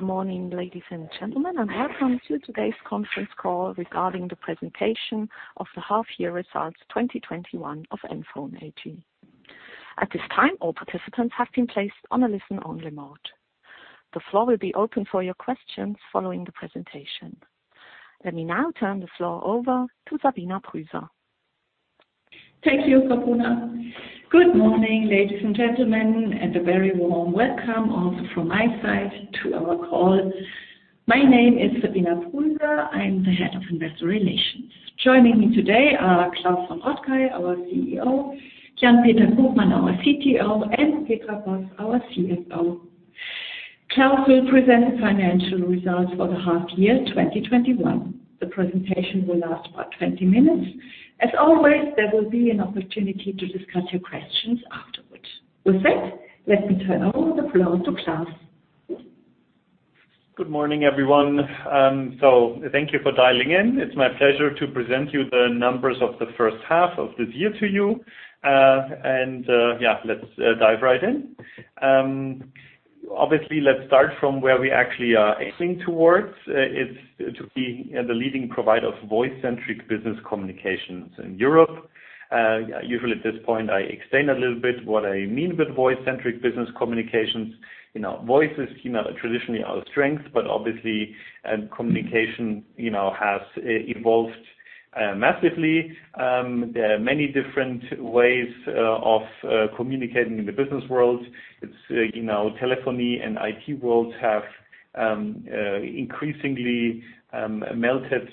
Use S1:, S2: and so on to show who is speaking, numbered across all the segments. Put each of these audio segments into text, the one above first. S1: Good morning, ladies and gentlemen, and welcome to today's conference call regarding the presentation of the half-year results of 2021 of NFON AG. At this time, all participants have been placed on a listen-only mode. The floor will be open for your questions following the presentation. Let me now turn the floor over to Sabina Prüser.
S2: Thank you, Kapuna. Good morning, ladies and gentlemen, and a very warm welcome also from my side to our call. My name is Sabina Prüser. I'm the head of investor relations. Joining me today are Klaus von Rottkay, our CEO, Jan-Peter Koopmann, our CTO, and Petra Boss, our CFO. Klaus will present the financial results for the half-year 2021. The presentation will last about 20 minutes. As always, there will be an opportunity to discuss your questions afterwards. With that, let me turn over the floor to Klaus.
S3: Good morning, everyone. Thank you for dialing in. It's my pleasure to present you the numbers of the first half of the year to you. Yeah, let's dive right in. Obviously, let's start from where we actually are heading towards. It's to be the leading provider of voice-centric business communications in Europe. Usually at this point, I explain a little bit what I mean with voice-centric business communications. Voice is traditionally our strength, but obviously communication has evolved massively. There are many different ways of communicating in the business world. Telephony and IT worlds have increasingly melted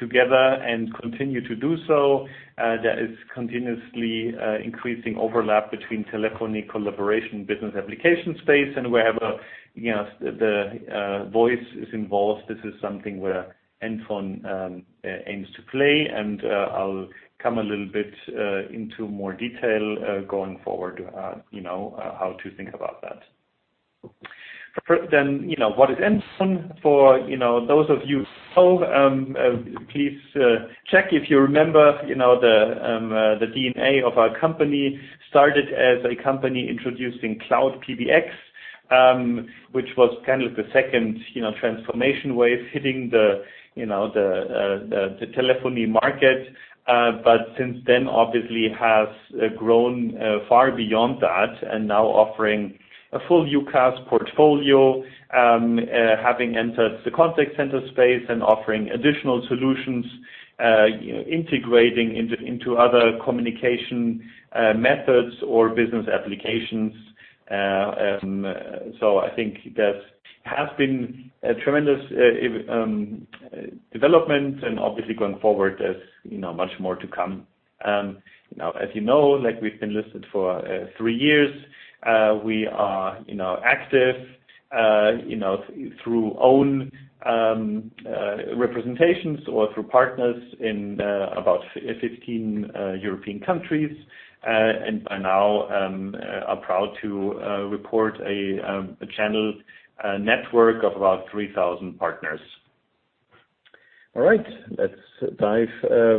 S3: together and continue to do so. There is continuously increasing overlap between telephony, collaboration, and business application space, and wherever the voice is involved, this is something where NFON aims to play, and I'll come a little bit more into detail going forward on how to think about that. What is NFON? For those of you, please check if you remember: the DNA of our company started as a company introducing cloud PBX, which was kind of the second transformation wave hitting the telephony market. Since then, obviously, it has grown far beyond that and is now offering a full UCaaS portfolio, having entered the contact center space and offering additional solutions, integrating into other communication methods or business applications. I think that has been a tremendous development, and obviously going forward, there's much more to come. As you know, we've been listed for three years. We are active through our own representations or through partners in about 15 European countries and by now are proud to report a channel network of about 3,000 partners. All right. Let's dive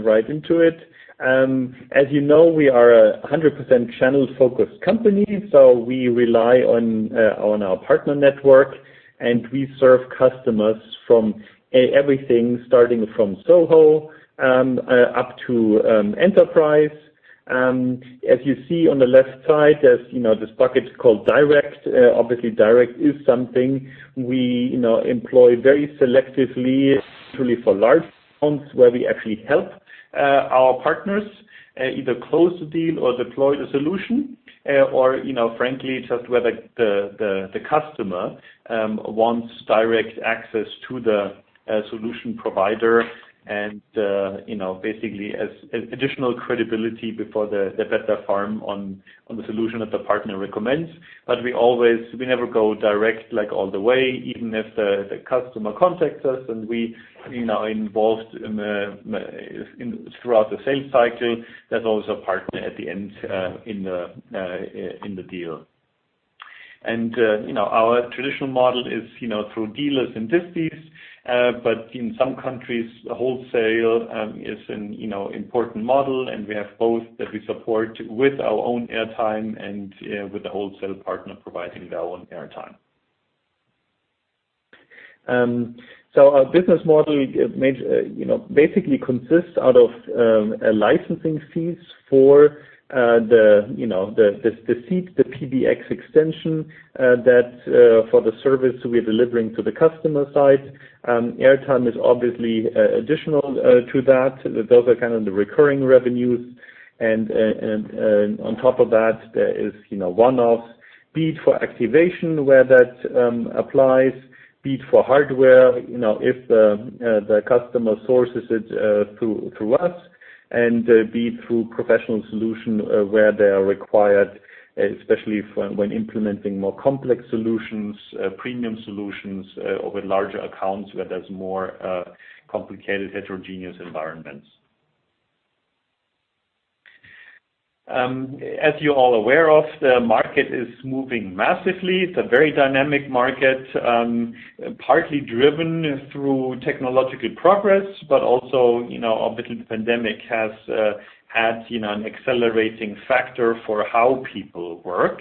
S3: right into it. As you know, we are a 100% channel-focused company, so we rely on our partner network, and we serve customers from everything starting from SOHO up to enterprise. As you see on the left side, there's this bucket called direct. Obviously, direct is something we employ very selectively, truly for large accounts where we actually help our partners either close the deal or deploy the solution, or frankly, just when the customer wants direct access to the solution provider and basically additional credibility before they bet the farm on the solution that the partner recommends. We never go direct all the way, even if the customer contacts us and we are involved throughout the sales cycle. There's always a partner at the end of the deal. Our traditional model is through dealers and disties. In some countries, wholesale is an important model, and we have both that we support with our own airtime and the wholesale partner providing their own air time. Our business model basically consists of licensing fees for the seat, the PBX extension, and the service we're delivering to the customer side. Airtime is obviously additional to that. Those are kind of the recurring revenues, and on top of that, there is a one-off fee for activation where that applies, a fee for hardware if the customer sources it through us, and a fee for professional solutions where they are required, especially when implementing more complex solutions, premium solutions, or with larger accounts where there's a more complicated heterogeneous environment. As you're all aware of, the market is moving massively. It's a very dynamic market, partly driven through technological progress, but also, obviously, the pandemic has had an accelerating factor for how people work.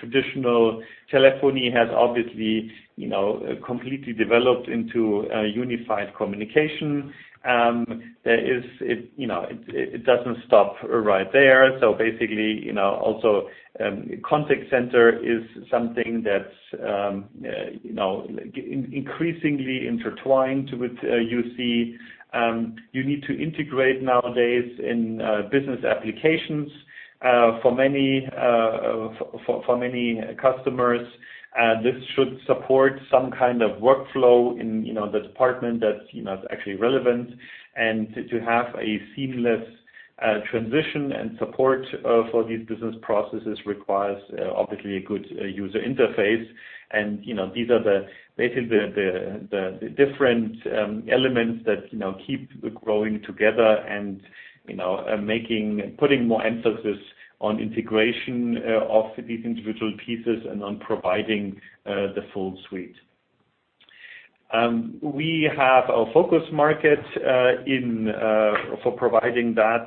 S3: Traditional telephony has obviously completely developed into unified communication. It doesn't stop right there. Basically, also, a contact center is something that's increasingly intertwined with UC. You need to integrate nowadays in business applications for many customers. This should support some kind of workflow in the department that's actually relevant. To have a seamless transition and support for these business processes requires, obviously, a good user interface. These are basically the different elements that keep growing together and putting more emphasis on integration of these individual pieces and on providing the full suite. We have our focus market for providing that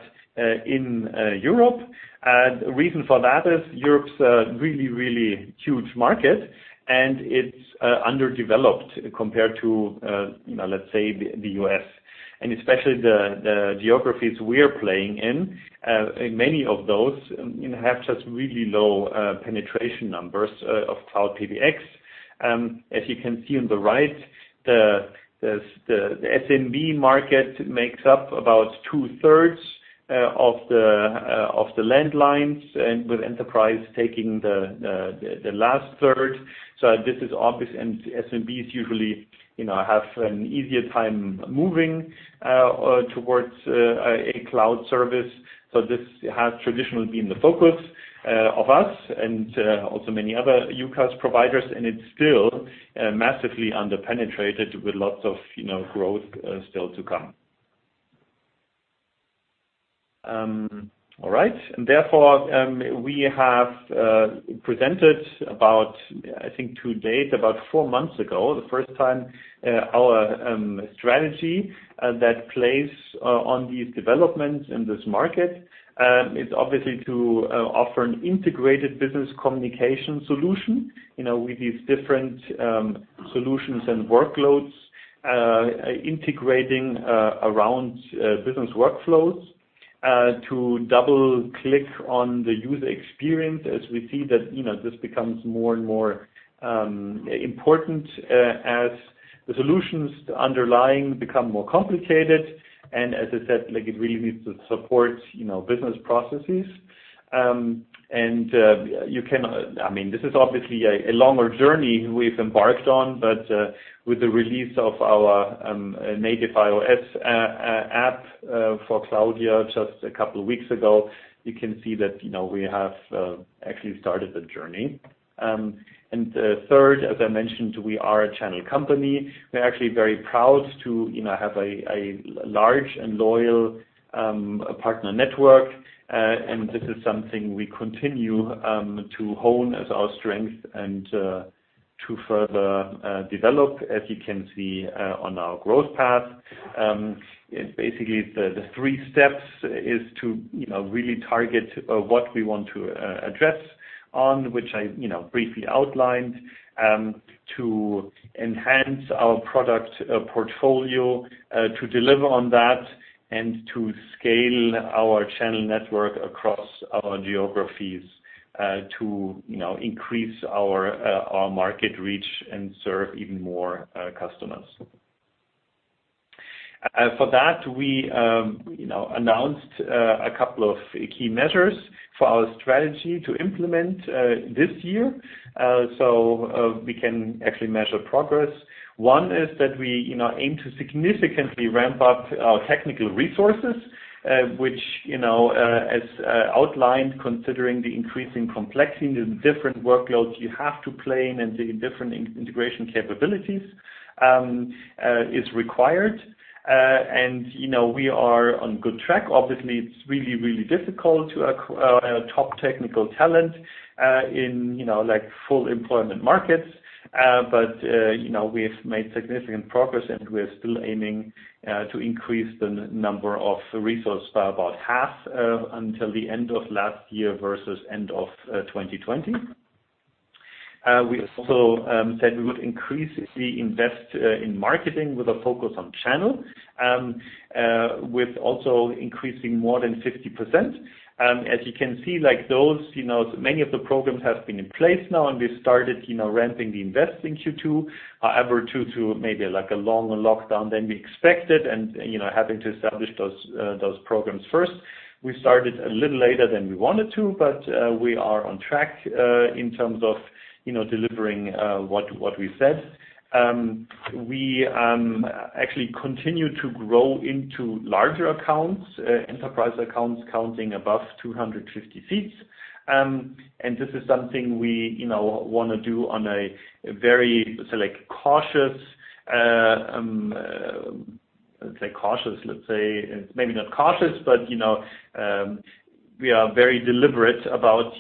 S3: in Europe. The reason for that is Europe is a really, really huge market and it's underdeveloped compared to, let's say, the US. Especially the geographies we are playing in, many of those have just really low penetration numbers of cloud PBX. As you can see on the right, the SMB market makes up about two-thirds of the landlines, with enterprise taking the last third. This is obvious. SMBs usually have an easier time moving towards a cloud service. This has traditionally been the focus of us and also many other UCaaS providers, and it's still massively underpenetrated with lots of growth still to come. All right. Therefore, we presented, I think, to date, about four months ago, the first time, our strategy that plays on these developments in this market. It's obvious to offer an integrated business communication solution with these different solutions and workloads integrating around business workflows to double-click on the user experience as we see that this becomes more and more important as the solutions underlying it become more complicated. As I said, it really needs to support business processes. This is obviously a longer journey we've embarked on, but with the release of our native iOS app for Cloudya just a couple of weeks ago, you can see that we have actually started the journey. Third, as I mentioned, we are a channel company. We're actually very proud to have a large and loyal partner network. This is something we continue to hone as our strength and to further develop, as you can see on our growth path. Basically, the three steps are to really target what we want to address, which I briefly outlined, to enhance our product portfolio to deliver on that, and to scale our channel network across our geographies to increase our market reach and serve even more customers. For that, we announced a couple of key measures for our strategy to implement this year so we can actually measure progress. one is that we aim to significantly ramp up our technical resources, which, as outlined, considering the increasing complexity and the different workloads you have to play and the different integration capabilities, are required. We are on a good track. Obviously, it's really, really difficult to acquire top technical talent in full employment markets. We have made significant progress, and we're still aiming to increase the number of resources by about half until the end of last year versus the end of 2020. We also said we would increasingly invest in marketing with a focus on channels, with also increasing more than 50%. As you can see, many of the programs have been in place now, and we started ramping up the investment in Q2. However, due to maybe a longer lockdown than we expected and having to establish those programs first, we started a little later than we wanted to, but we are on track in terms of delivering what we said. We actually continue to grow into larger accounts, enterprise accounts counting above 250 seats. This is something we want to do very cautiously, let's say, maybe not cautiously, but we are very deliberate about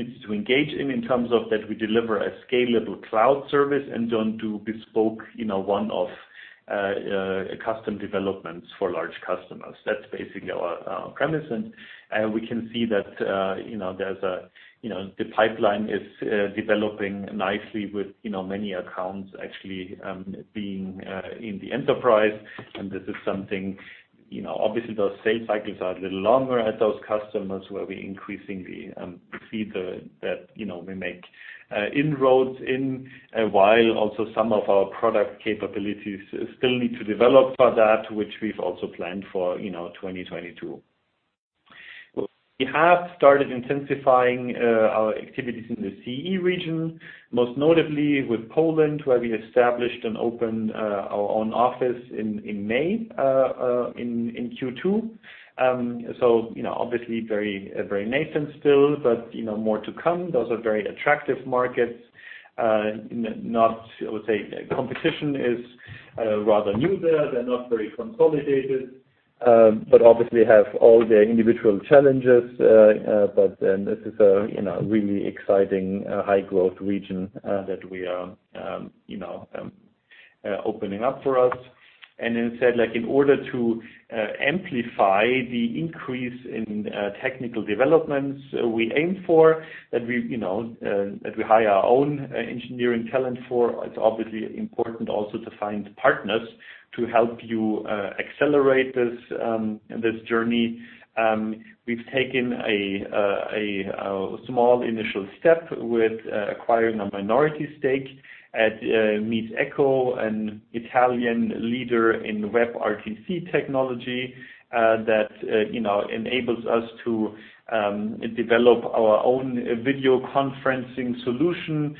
S3: entities we engage in in terms of delivering a scalable cloud service and not doing bespoke one-off custom developments for large customers. That's basically our premise. We can see that the pipeline is developing nicely with many accounts actually being in the enterprise. This is something, obviously those sales cycles are a little longer at those customers, where we increasingly see that we make inroads, while also some of our product capabilities still need to develop for that, which we've also planned for 2022. We have started intensifying our activities in the CE region, most notably with Poland, where we established and opened our own office in May, in Q2. Obviously very nascent still, but more to come. Those are very attractive markets. I would say competition is rather new there. They're not very consolidated. Obviously have all their individual challenges, this is a really exciting high growth region that we are opening up for us. In order to amplify the increase in technical developments we aim for, which we hire our own engineering talent for, it's obviously important also to find partners to help you accelerate this journey. We've taken a small initial step with acquiring a minority stake at Meetecho, an Italian leader in WebRTC technology, that enables us to develop our own video conferencing solution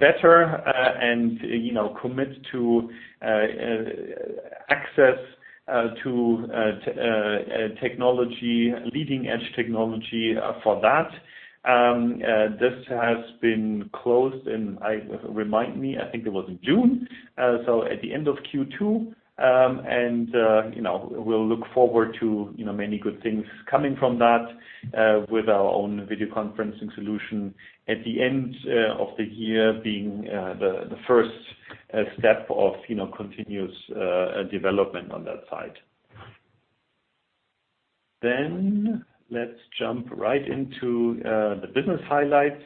S3: better, and commit to access to leading edge technology for that. This has been closed, remind me, I think it was in June, so at the end of Q2. We'll look forward to many good things coming from that, with our own video conferencing solution at the end of the year being the first step of continuous development on that side. Let's jump right into the business highlights.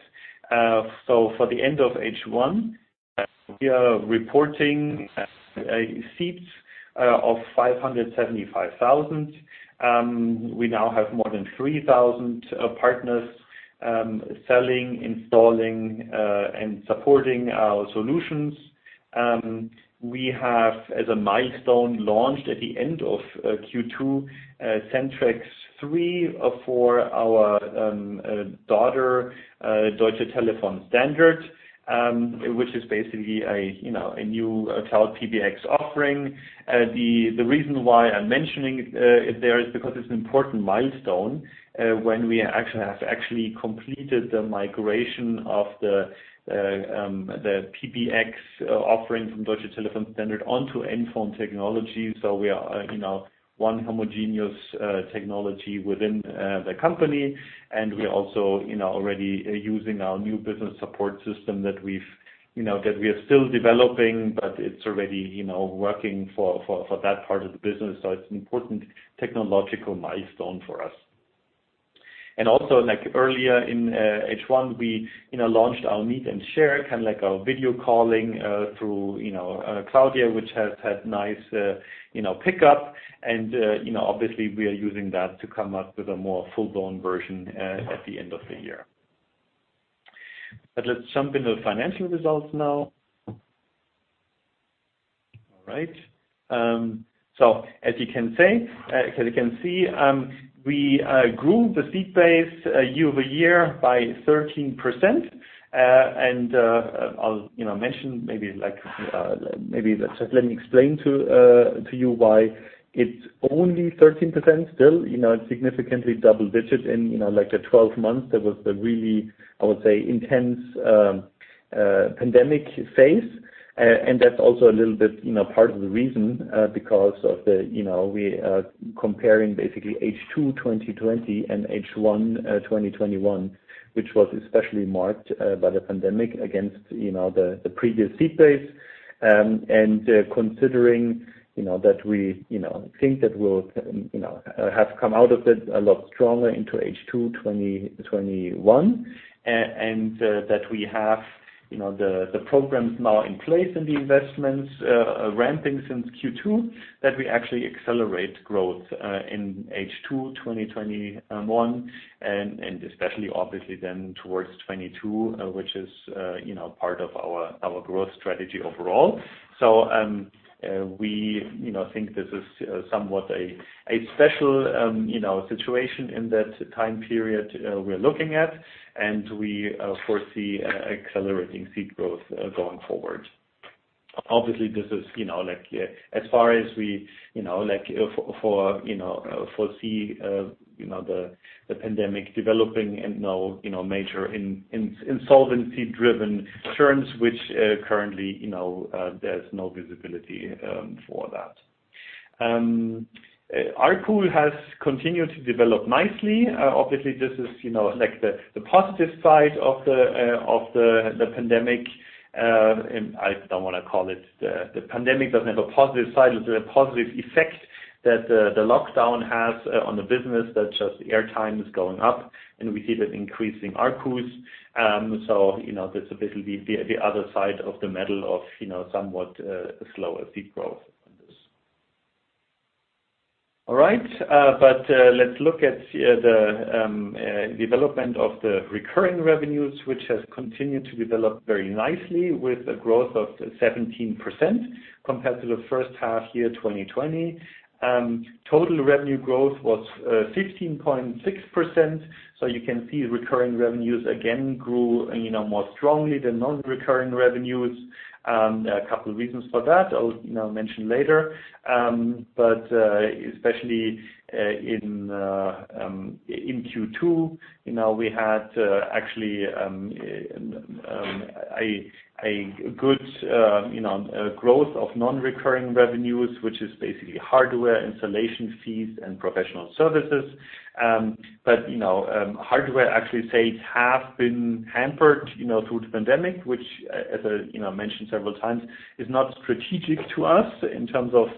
S3: For the end of H1, we are reporting seats of 575,000. We now have more than 3,000 partners selling, installing, and supporting our solutions. We have, as a milestone, launched at the end of Q2, centrexX 3 for our daughter, Deutsche Telefon Standard, which is basically a new cloud PBX offering. The reason why I'm mentioning it there is because it's an important milestone when we have actually completed the migration of the PBX offering from Deutsche Telefon Standard onto NFON technology. We are one homogeneous technology within the company, and we are also already using our new business support system that we are still developing, but it's already working for that part of the business. It's an important technological milestone for us. Also, earlier in H1, we launched our Meet & Share, our video calling through Cloudya, which has had nice pickup, and obviously we are using that to come up with a more full-blown version at the end of the year. Let's jump into the financial results now. All right. As you can see, we grew the seat base year-over-year by 13%. I'll mention it; let me explain to you why it's only 13% still. It's significantly double digits in the 12 months that were the really, I would say, intense pandemic phase. That's also a little bit part of the reason, because we are comparing basically H2 2020 and H1 2021, which was especially marked by the pandemic against the previous seat base. Considering that we think that we'll have come out of it a lot stronger into H2 2021, and that we have the programs now in place and the investments ramping since Q2, we can actually accelerate growth in H2 2021, and especially obviously then towards 2022, which is part of our growth strategy overall. We think this is somewhat a special situation in that time period we're looking at, and we foresee accelerating seat growth going forward. Obviously, as far as we foresee the pandemic developing and no major insolvency-driven churns, currently there's no visibility for that. ARPU has continued to develop nicely. Obviously, this is the positive side of the pandemic, and I don't want to call it the pandemic; it doesn't have a positive side. It's a positive effect that the lockdown has on the business; that is, just airtime is going up, and we see that increasing ARPU. That's a bit of the other side of the coin of somewhat slower fee growth on this. All right. Let's look at the development of the recurring revenues, which has continued to develop very nicely with a growth of 17% compared to the first half-year of 2020. Total revenue growth was 15.6%. You can see recurring revenues again grew more strongly than non-recurring revenues. A couple of reasons for that I'll mention later. Especially in Q2, we actually had good growth of non-recurring revenues, which are basically hardware installation fees and professional services. Hardware, actually, says it has been hampered through the pandemic, which, as I mentioned several times, is not strategic to us in terms of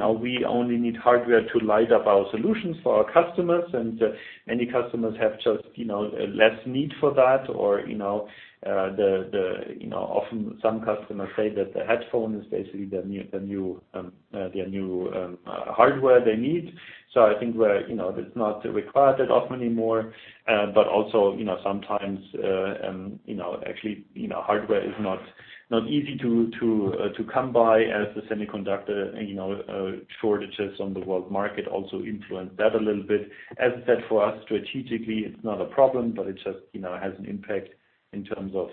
S3: our only need hardware to light up our solutions for our customers. Many customers have just less need for that, or often some customers say that the headphone is basically their new hardware they need. I think that's not required that often anymore. Also, sometimes, actually, hardware is not easy to come by, as the semiconductor shortages on the world market also influence that a little bit. As I said, for us strategically, it's not a problem, but it just has an impact in terms of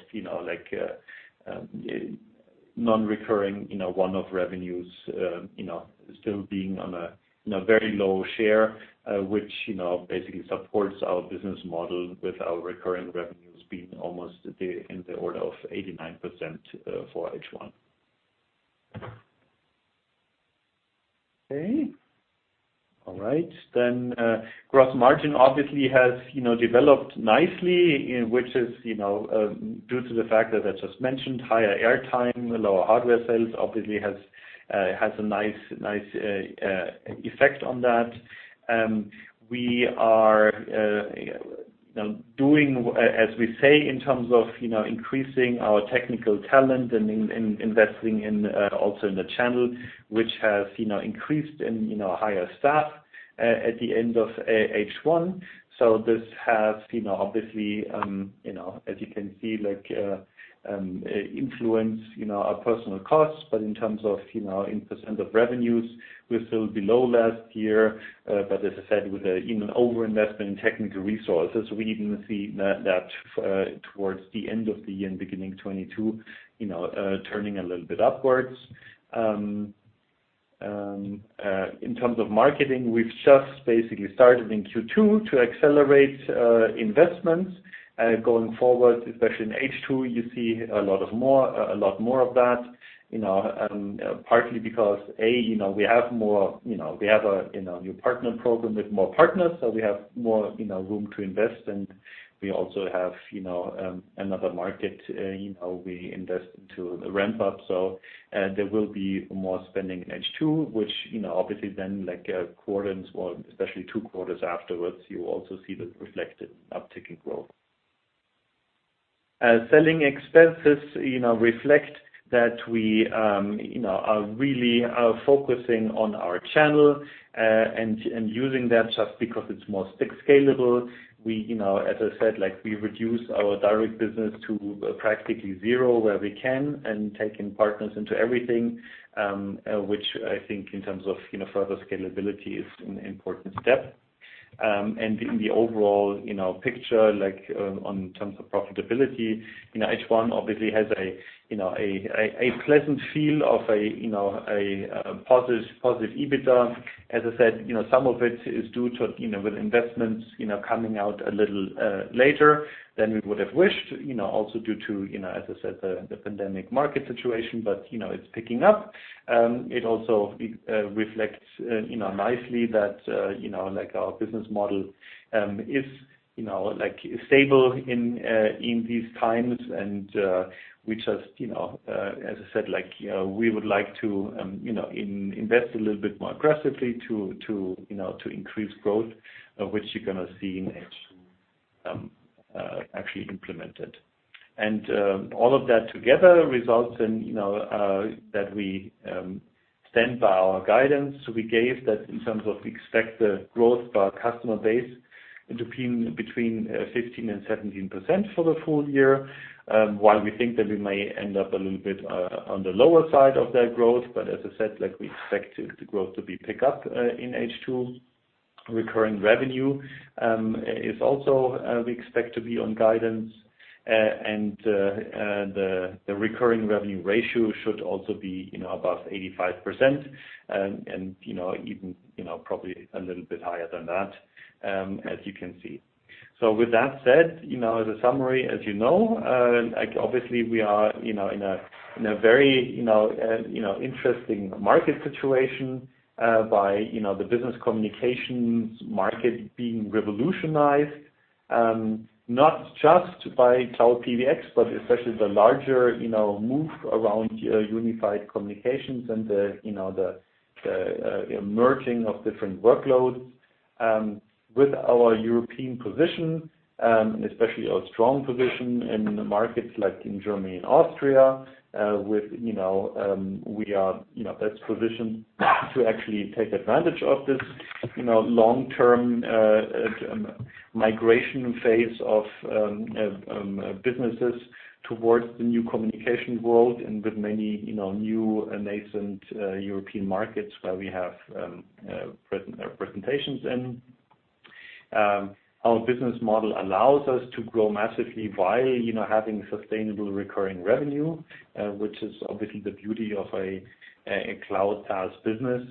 S3: non-recurring one-off revenues still being on a very low share, which now basically supports our business models with our recurring revenues being almost in the order of 89% for H1. Okay. All right. Gross margin obviously has developed nicely, which is due to the fact that I just mentioned: higher airtime and lower hardware sales obviously have a nice effect on that. We are now doing so in terms of increasing our technical talent and investing also in the channel, which has increased in higher staff at the end of H1. This has obviously, as you can see, influenced our personal costs. In terms of a percentage of revenues, we're still below last year. As I said, with an overinvestment in technical resources, we even see that towards the end of the year, beginning 2022, it's turning a little bit upwards. In terms of marketing, we've just basically started in Q2 to accelerate investments going forward, especially in H2, you see a lot more of that, partly because, A, we have a new partner program with more partners; B, we have more room to invest, and C, we also have another market we invest in to ramp up. There will be more spending in H2, which obviously then, two quarters or especially two quarters afterwards, you also see that reflected uptick in growth. Selling expenses reflect that we are really focusing on our channel and using that just because it's more sticky and scalable. As I said, we reduce our direct business to practically zero where we can and take partners into everything, which I think in terms of further scalability is an important step. In the overall picture, like in terms of profitability, H1 obviously has a pleasant feel of a positive EBITDA. Some of it is due to investments coming out a little later than we would have wished, also due to, as I said, the pandemic market situation, but it is picking up. It also reflects nicely that our business model is stable in these times, and we just, as I said, would like to invest a little bit more aggressively to increase growth, which you are going to see in H2 actually implemented. All of that together results in our standing by our guidance we gave that in terms of expecting the growth of the customer base between 15% and 17% for the full year, while we think that we may end up a little bit on the lower side of that growth. As I said, we expect the growth to pick up in H2. Recurring revenue is also we expect to be on guidance, and the recurring revenue ratio should also be above 85% and even probably a little bit higher than that, as you can see. With that said, as a summary, as you know, obviously we are in a very interesting market situation with the business communications market being revolutionized, not just by cloud PBX, but especially by the larger move around unified communications and the emergence of different workloads. With our European position, and especially our strong position in markets like in Germany and Austria, we are best positioned to actually take advantage of this long-term migration phase of businesses towards the new communication world and with many new nascent European markets where we have presentations. Our business model allows us to grow massively via having sustainable recurring revenue, which is obviously the beauty of a cloud SaaS business.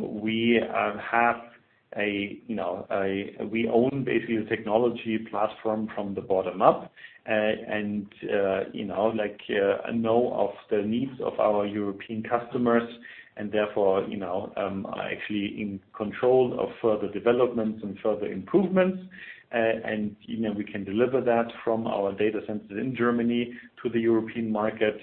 S3: We own basically the technology platform from the bottom-up and know of the needs of our European customers and, therefore, are actually in control of further developments and further improvements. We can deliver that from our data centers in Germany to the European market.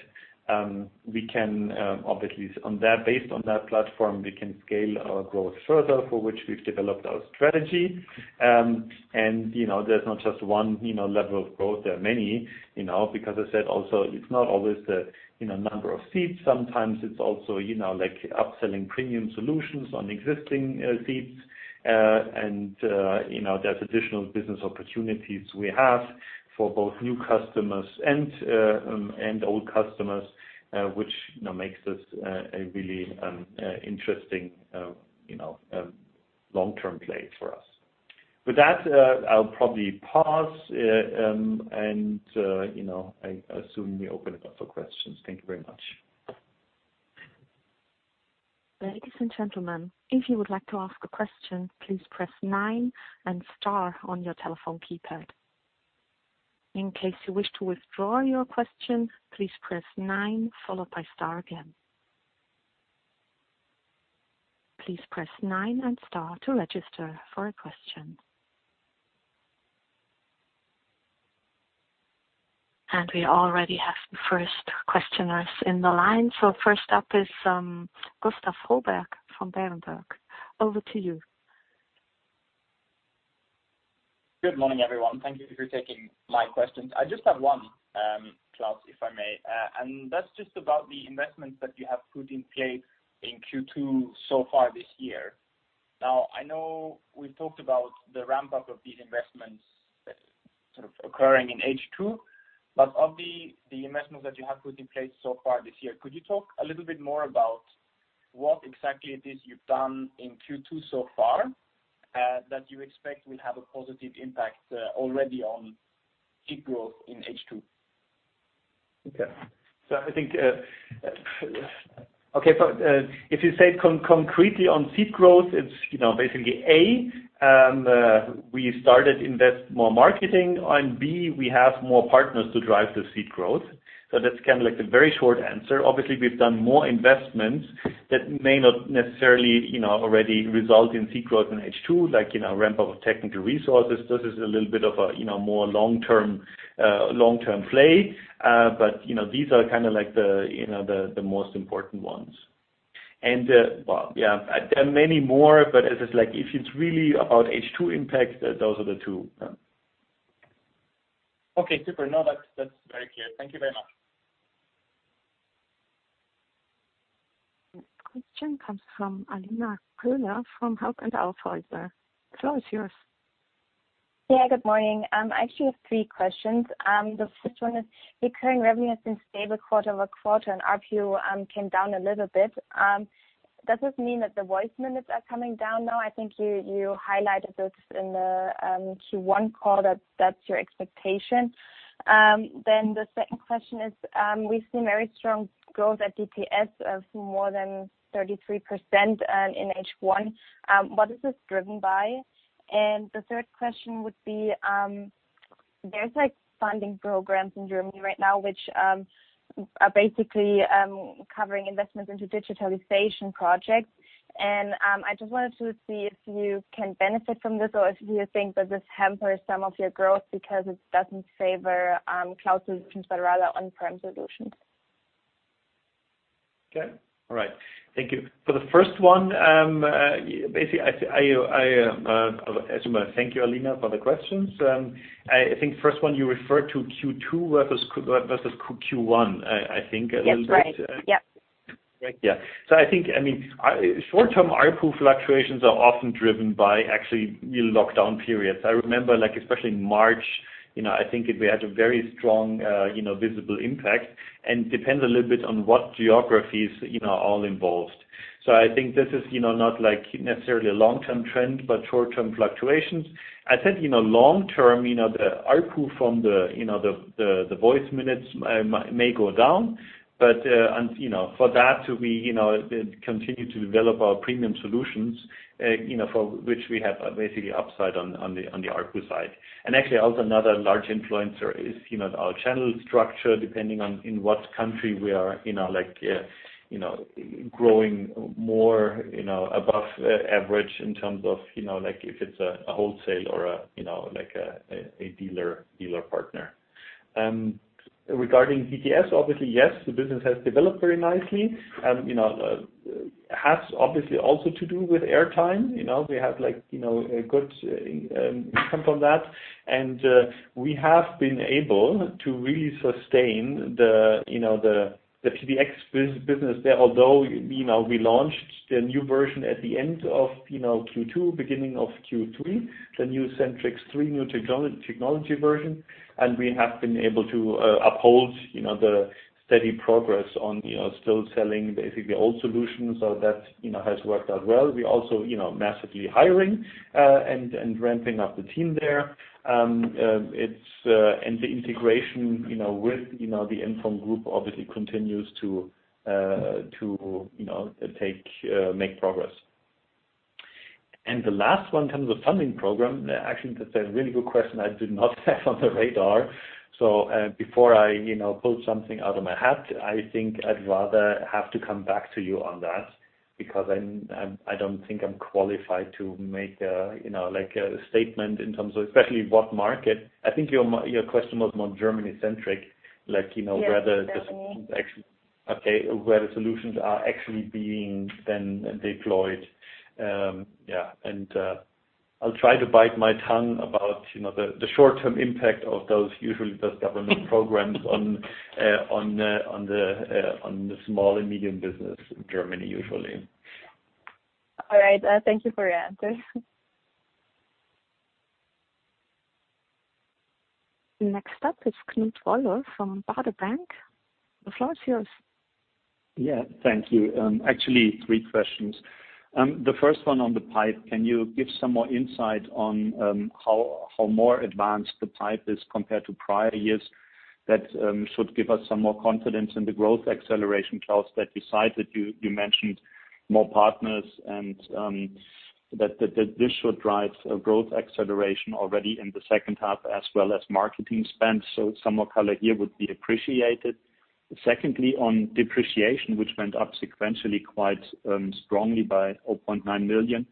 S3: Based on that platform, we can scale our growth further, for which we've developed our strategy. There's not just one level of growth. There are many, because, as I said also, it's not always the number of seats. Sometimes it's also upselling premium solutions on existing seats. There are additional business opportunities we have for both new customers and old customers, which makes this a really interesting long-term play for us. With that, I'll probably pause. I assume we open it up for questions. Thank you very much.
S1: Ladies and gentlemen, if you would like to ask a question, please press nine and star on your telephone keypad. In case you wish to withdraw your question, please press nine, followed by star again. Please press nine and star to register for a question. We already have the first questioners in the line. First up is Gustav Froberg from Berenberg. Over to you.
S4: Good morning, everyone. Thank you for taking my questions. I just have one, Klaus, if I may. That's just about the investments that you have put in place in Q2 so far this year. I know we've talked about the ramp-up of these investments that's sort of occurring in H2. Of the investments that you have put in place so far this year, could you talk a little bit more about what exactly it is you've done in Q2 so far that you expect will have a positive impact already on seat growth in H2?
S3: Okay. I think, if you say it concretely on seat growth, it's basically, A, we started investing more marketing, and B, we have more partners to drive the seat growth. That's the very short answer. Obviously, we've done more investments that may not necessarily already result in seat growth in H2, like ramp-up of technical resources. This is a little bit of a more long-term play. These are the most important ones. Well, yeah, there are many more, but if it's really about H2 impacts, those are the two.
S4: Okay, super. No, that's very clear. Thank you very much.
S1: Next question comes from Alina Köhler from Hauck & Aufhäuser. The floor is yours.
S5: Yeah, good morning. I actually have three questions. The first one is, recurring revenue has been stable quarter-over-quarter, and ARPU came down a little bit. Does this mean that the voice minutes are coming down now? I think you highlighted this in Q1 call that that's your expectation. The second question is, we've seen very strong growth at DTS of more than 33% in H1. What is this driven by? The third question would be, there's funding programs in Germany right now, which are basically covering investments into digitalization projects. I just wanted to see if you can benefit from this or if you think that this hampers some of your growth because it doesn't favor cloud solutions but rather on-prem solutions.
S3: Okay. All right. Thank you. For the first one, basically, I assume I thank you, Alina, for the questions. I think the first one you referred to is Q2 versus Q1, I think a little bit.
S5: That's right. Yep.
S3: Right. Yeah. I think short-term ARPU fluctuations are often driven by actual real lockdown periods. I remember, especially in March, I think we had a very strong visible impact, and it depends a little bit on what geographies are all involved. I think this is not necessarily a long-term trend but short-term fluctuations. I said, long-term, the ARPU from the voice minutes may go down. For that, we continue to develop our premium solutions, for which we have basically upside on the ARPU side. Actually, another large influencer is our channel structure, depending on in what country we are growing more above average in terms of if it's a wholesale or a dealer partner. Regarding DTS, obviously, yes, the business has developed very nicely. It has obviously also to do with airtime; we have a good income from that. We have been able to really sustain the PBX business there, although we launched the new version at the end of Q2, beginning of Q3, the new centrexX 3 new technology version. We have been able to uphold the steady progress on still selling basically old solutions. That has worked out well. We're also massively hiring and ramping up the team there. The integration with the NFON group obviously continues to make progress. The last one, in terms of a funding program, actually, that's a really good question I did not have on the radar. Before I pull something out of my hat, I think I'd rather have to come back to you on that, because I don't think I'm qualified to make a statement in terms of, especially, what market. I think your question was more German-centric.
S5: Yes, definitely.
S3: where the solutions are actually being deployed. Yeah. I'll try to bite my tongue about the short-term impact of those, usually those government programs onsmall and medium businesses in Germany, usually.
S5: All right. Thank you for your answer.
S1: Next up is Knut Woller from Baader Bank. The floor is yours.
S6: Yeah. Thank you. Actually, three questions. The first one on the pipe. Can you give some more insight on how more advanced the pipe is compared to prior years that should give us some more confidence in the growth acceleration trials that you cited. You mentioned more partners and that this should drive a growth acceleration already in the second half as well as marketing spend. Some more color here would be appreciated. Secondly, on depreciation, which went up sequentially quite strongly by 0.9 million.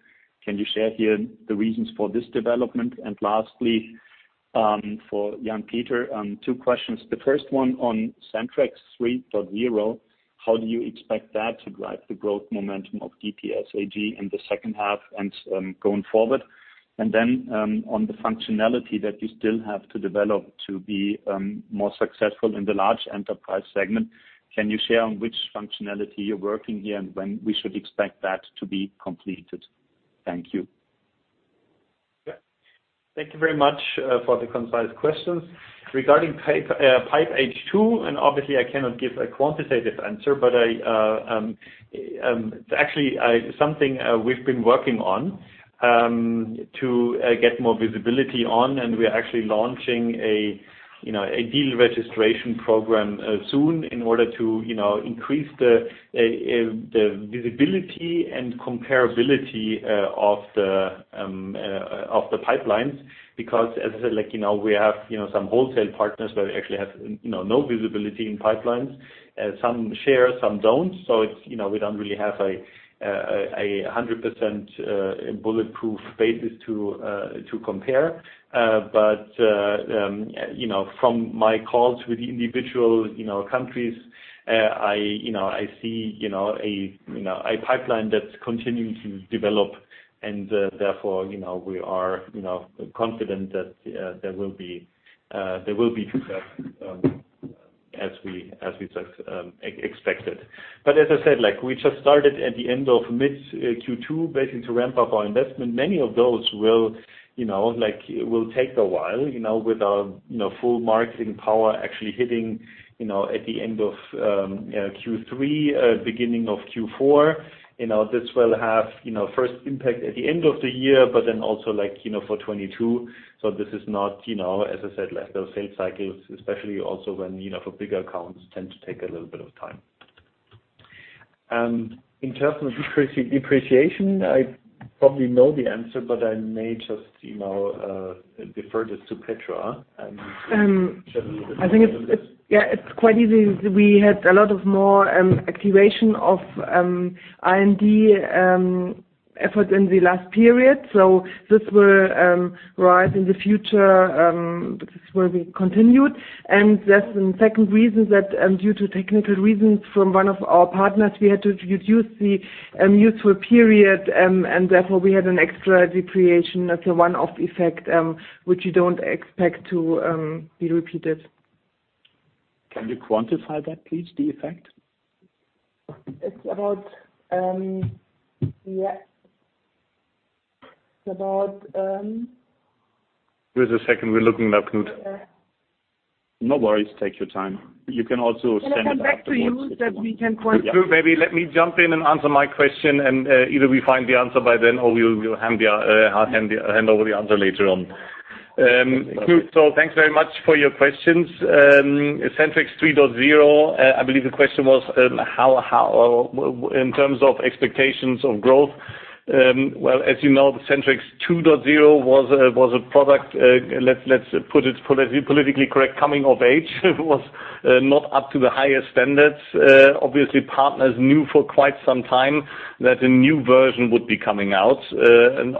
S6: Can you share here the reasons for this development? Lastly, for Jan-Peter, two questions. The first one on centrexX 3.0, how do you expect that to drive the growth momentum of DTS AG in the second half and going forward? Regarding the functionality that you still have to develop to be more successful in the large enterprise segment, can you share which functionality you're working on here and when we should expect that to be completed? Thank you.
S3: Yeah. Thank you very much for the concise questions. Regarding pipeline H2, obviously I cannot give a quantitative answer, it's actually something we've been working on to get more visibility on, we are actually launching a deal registration program soon in order to increase the visibility and comparability of the pipelines. As I said, we have some wholesale partners where we actually have no visibility in pipelines. Some share, some don't. We don't really have a 100% bulletproof basis to compare. From my calls with the individual countries, I see a pipeline that's continuing to develop, therefore, we are confident that there will be success as we expected. As I said, we just started at the end of mid-Q2, basically to ramp up our investment. Many of those will take a while, with our full marketing power actually hitting at the end of Q3, beginning of Q4. This will have its first impact at the end of the year, also for 2022. This is not, as I said, those sales cycles, especially also when they are for bigger accounts, tend to take a little bit of time. In terms of depreciation, I probably know the answer, but I may just defer this to Petra.
S7: I think it's quite easy. We had a lot more activation of R&D efforts in the last period. This will rise in the future, this will be continued. There's a second reason that, due to technical reasons from one of our partners, we had to reduce the useful period, and therefore we had an extra depreciation as a one-off effect, which we don't expect to be repeated.
S6: Can you quantify that, please, the effect?
S7: It's about that.
S3: Just a second, we're looking it up, Knut.
S6: No worries. Take your time. You can also send it afterwards if you want.
S7: Can I come back to you?
S6: Yeah.
S8: Knut, maybe let me jump in and answer my question, and either we find the answer by then or we'll hand over the answer later on.
S6: That's perfect.
S8: Knut, thanks very much for your questions. centrexX 3.0, I believe the question was in terms of expectations of growth. As you know, the centrexX 2.0 was a product, let's put it politically correctly, coming of age. It was not up to the highest standards. Partners knew for quite some time that a new version would be coming out.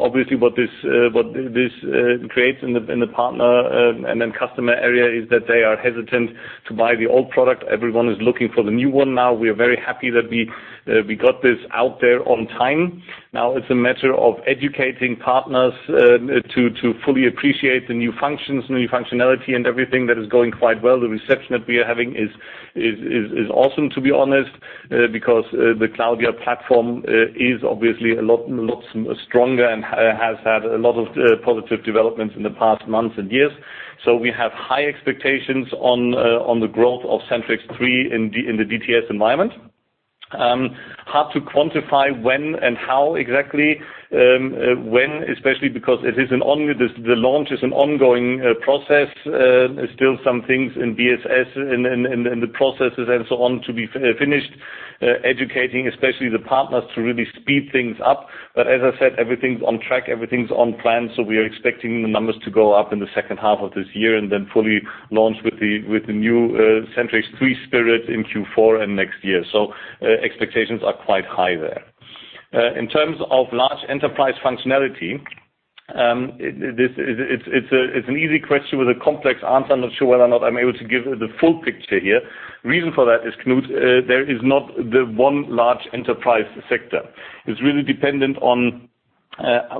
S8: Obviously what this creates in the partner and then customer area is that they are hesitant to buy the old product. Everyone is looking for the new one now. We are very happy that we got this out there on time. It's a matter of educating partners to fully appreciate the new functions, new functionality, and everything. That is going quite well. The reception that we are having is awesome, to be honest, because the Cloudya platform is obviously a lot stronger and has had a lot of positive developments in the past months and years. We have high expectations for the growth of centrexX 3 in the DTS environment. Hard to quantify when and how exactly. When, especially because the launch is an ongoing process. There are still some things in BSS and the processes and so on to be finished educating, especially the partners, to really speed things up. As I said, everything's on track, everything's on plan. We are expecting the numbers to go up in the second half of this year and then fully launch with the new centrexX 3 spirit in Q4 and next year. Expectations are quite high there. In terms of large enterprise functionality, it's an easy question with a complex answer. I'm not sure whether or not I'm able to give the full picture here. Reason for that, Knut, is there is not the one large enterprise sector. It's really dependent on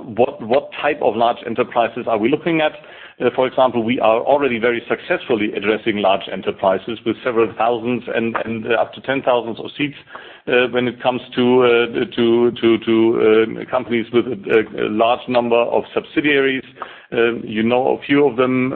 S8: what type of large enterprises we are looking at. For example, we are already very successfully addressing large enterprises with several thousand and up to 10,000 seats when it comes to companies with a large number of subsidiaries. You know a few of them.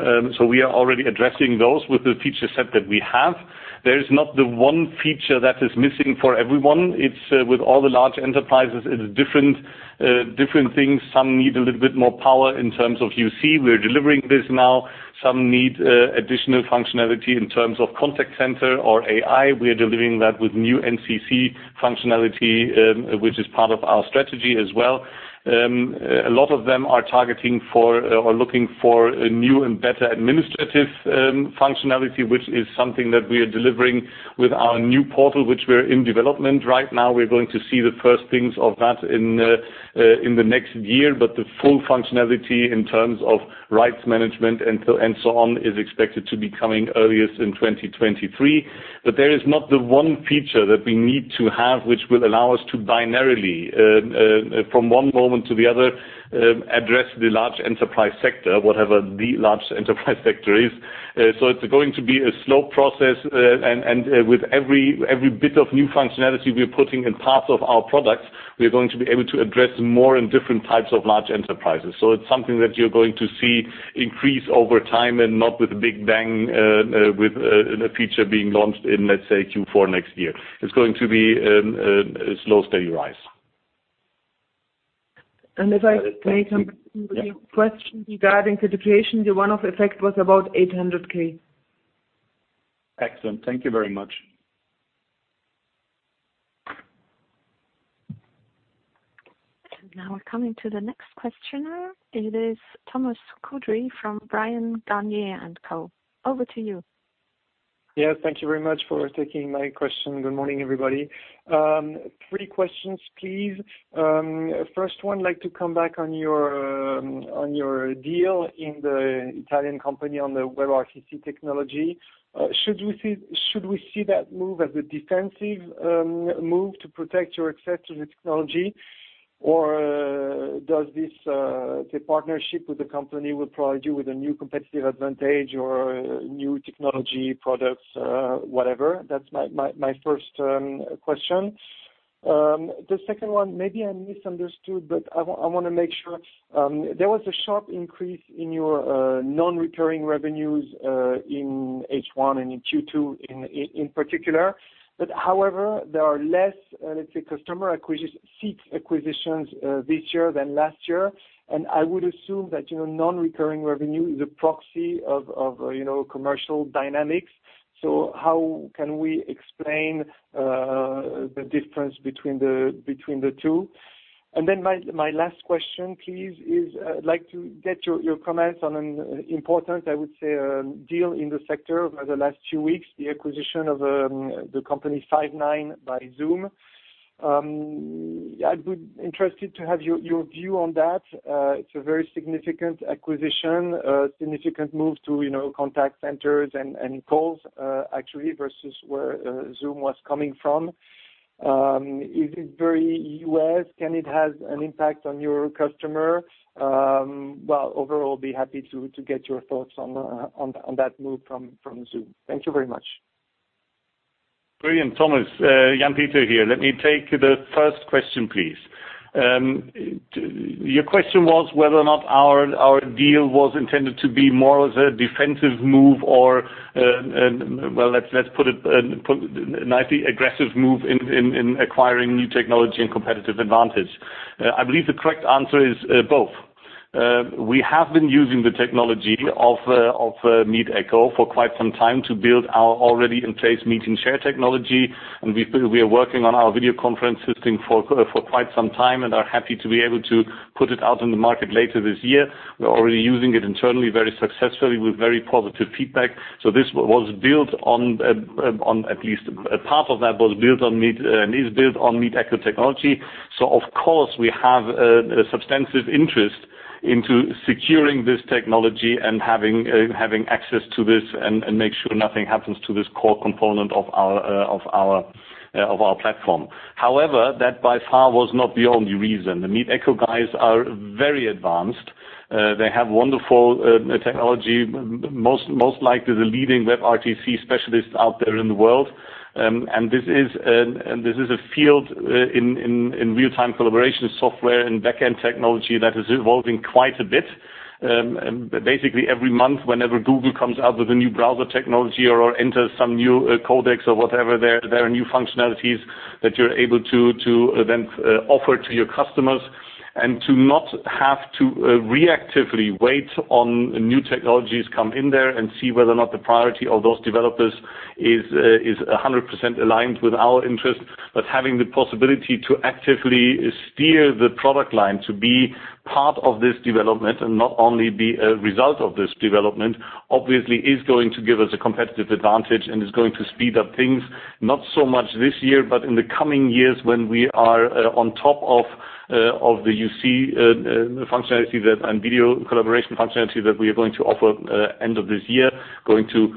S8: We are already addressing those with the feature set that we have. There is not the one feature that is missing for everyone. With all the large enterprises, they are different things. Some need a little bit more power in terms of UC. We're delivering this now. Some need additional functionality in terms of contact center or AI. We are delivering that with new NCC functionality, which is part of our strategy as well. A lot of them are targeting or looking for a new and better administrative functionality, which is something that we are delivering with our new portal, which we're in development for right now. We're going to see the first things of that in the next year. The full functionality in terms of rights management and so on is expected to be coming at the earliest in 2023. There is not the one feature that we need to have, which will allow us to binarily, from one moment to the other, address the large enterprise sector, whatever the large enterprise sector is. It's going to be a slow process, and with every bit of new functionality we're putting in parts of our products, we're going to be able to address more and different types of large enterprises. It's something that you're going to see increase over time and not with a big bang, with a feature being launched in, let's say, Q4 next year. It's going to be a slow, steady rise.
S7: If I may come to your question regarding depreciation, the one-off effect was about 800,000.
S6: Excellent. Thank you very much.
S1: Now we're coming to the next questioner. It is Thomas Coudry from Bryan Garnier & Co. Over to you.
S9: Yes, thank you very much for taking my question. Good morning, everybody. Three questions, please. First one, I'd like to come back to your deal in the Italian company on the WebRTC technology. Should we see that move as a defensive move to protect your access to the technology? Will this partnership with the company provide you with a new competitive advantage or new technology products, or whatever? That's my first question. The second one, maybe I misunderstood, I want to make sure. There was a sharp increase in your non-recurring revenues in H1 and in Q2 in particular. However, there are less, let's say, customer seat acquisitions this year than last year. I would assume that your nonrecurring revenue is a proxy of commercial dynamics. How can we explain the difference between the two? My last question, please, is I'd like to get your comments on an important, I would say, deal in the sector over the last two weeks: the acquisition of the company Five9 by Zoom. I'd be interested to have your view on that. It's a very significant acquisition, a significant move to contact centers and calls, actually, versus where Zoom was coming from. Is it very U.S.? Can it have an impact on your customer? Overall, be happy to get your thoughts on that move from Zoom. Thank you very much.
S8: Brilliant, Thomas. Jan-Peter here. Let me take the first question, please. Your question was whether or not our deal was intended to be more of a defensive move or, well, let's put it nicely, an aggressive move in acquiring new technology and competitive advantage. I believe the correct answer is both. We have been using the technology of Meetecho for quite some time to build our already in-place Meet & Share technology, and we have been working on our video conference system for quite some time and are happy to be able to put it out in the market later this year. We're already using it internally very successfully with very positive feedback. This was built on, at least a part of that, built on Meetecho technology. Of course, we have a substantive interest in securing this technology and having access to this and making sure nothing happens to this core component of our platform. However, that by far was not the only reason. The Meetecho guys are very advanced. They have wonderful technology, most likely the leading WebRTC specialists out there in the world. This is a field in real-time collaboration software and backend technology that is evolving quite a bit. Basically, every month, whenever Google comes out with a new browser technology or enters some new codecs or whatever, there are new functionalities that you're able to then offer to your customers. To not have to reactively wait on new technologies to come in there and see whether or not the priority of those developers is 100% aligned with our interest. Having the possibility to actively steer the product line to be part of this development and not only be a result of this development, obviously, is going to give us a competitive advantage and is going to speed up things, not so much this year, but in the coming years when we are on top of the UC functionality and video collaboration functionality that we are going to offer at the end of this year, going to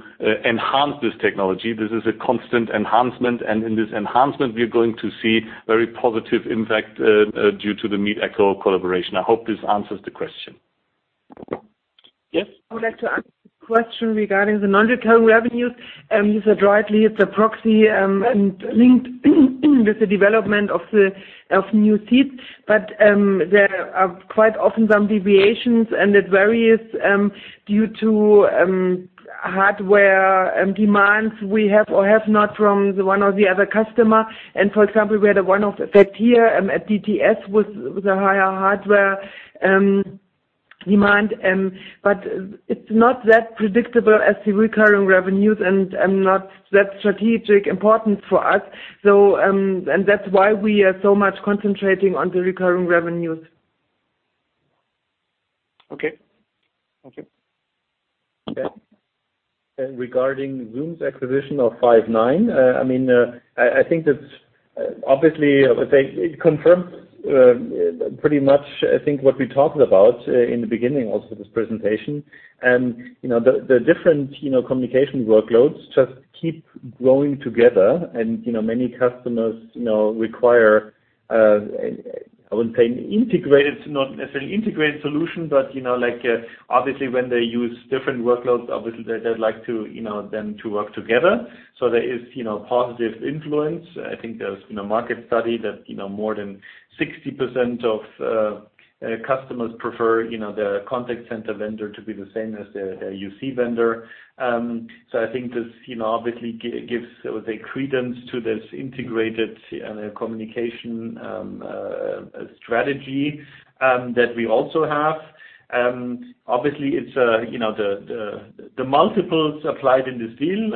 S8: enhance this technology. This is a constant enhancement, and in this enhancement, we are going to see a very positive impact due to the Meetecho collaboration. I hope this answers the question. Yes.
S7: I would like to answer the question regarding the non-recurring revenues. You said it rightly, it's a proxy and linked with the development of new seats. There are quite often some deviations, and it varies due to hardware demands we have or have not from the one or the other customer. For example, we had a one-off effect here at DTS with a higher hardware demand. It's not that predictable, as the recurring revenues are not that strategically important for us. That's why we are concentrating so much on the recurring revenues.
S9: Okay. Thank you.
S3: Regarding Zoom's acquisition of Five9, I think that obviously it confirms pretty much, I think, what we talked about in the beginning and also this presentation. The different communication workloads just keep growing together. Many customers require, I wouldn't say integrated, not necessarily integrated solutions, but obviously when they use different workloads, obviously they'd like them to work together. There is positive influence. I think there's a market study that more than 60% of customers prefer their contact center vendor to be the same as their UC vendor. I think this obviously gives credence to this integrated communication strategy that we also have. The multiples applied in this deal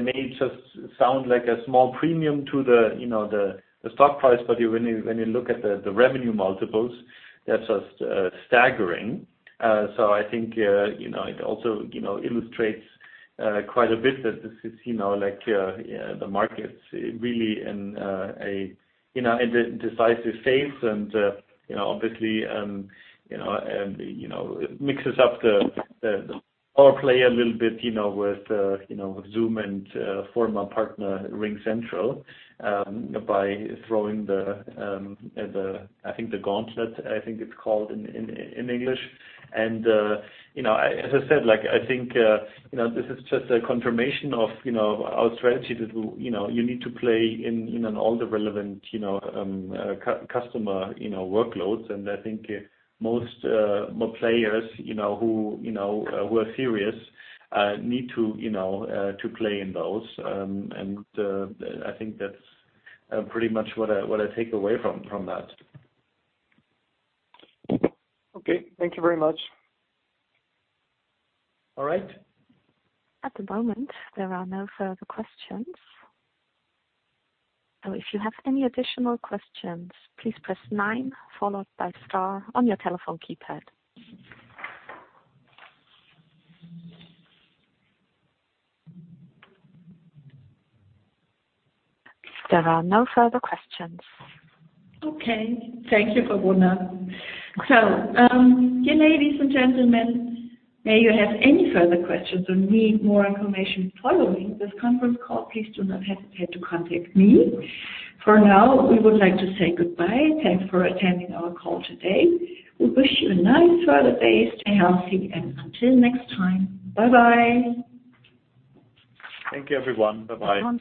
S3: may just sound like a small premium to the stock price, but when you look at the revenue multiples, they're just staggering. I think it also illustrates quite a bit that this is like the market's really in a decisive phase and obviously mixes up the role play a little bit with Zoom and former partner RingCentral by throwing down the gauntlet, I think it's called in English. As I said, I think this is just a confirmation of our strategy that you need to play in all the relevant customer workloads, and I think more players who were serious need to play in those. I think that's pretty much what I take away from that.
S9: Okay. Thank you very much.
S3: All right.
S1: At the moment, there are no further questions. If you have any additional questions, please press nine followed by the star on your telephone keypad. There are no further questions.
S2: Okay. Thank you, Kapuna. Ladies and gentlemen, if you have any further questions or need more information following this conference call, please do not hesitate to contact me. For now, we would like to say goodbye. Thanks for attending our call today. We wish you a nice further day. Stay healthy, and until next time. Bye-bye.
S3: Thank you, everyone. Bye-bye.